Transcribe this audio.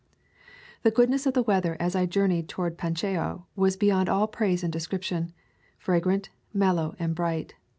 The goodness of the weather as I journeyed toward Pacheco was be yond all praise and description — fragrant, mel low, and bright.